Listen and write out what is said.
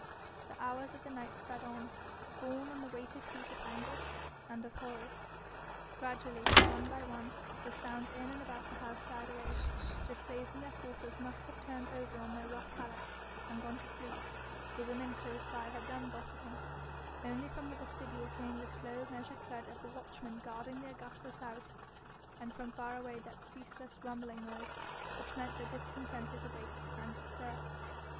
The hours of the night sped on, borne on the weighted feet of anguish and of horror. Gradually, one by one, the sounds in and about the house died away; the slaves in their quarters must have turned over on their rough pallets and gone to sleep, the women close by had done gossiping, only from the vestibule came the slow measured tread of the watchmen guarding the Augusta's house, and from far away that ceaseless, rumbling noise which meant that discontent was awake and astir.